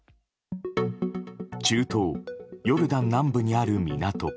中東ヨルダン南部にある港。